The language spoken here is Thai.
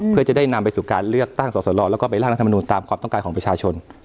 เพื่อจะได้นำไปสู่การเลือกตั้งสอสลแล้วก็ไปร่างรัฐมนุนตามความต้องการของประชาชน